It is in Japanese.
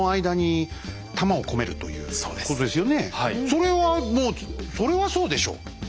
それはもうそれはそうでしょ。